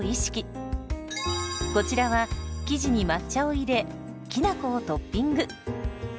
こちらは生地に抹茶を入れきなこをトッピング。